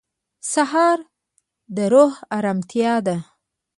سهار د روح ارامتیا ده.